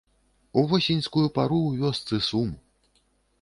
У восеньскую пару ў вёсцы сум.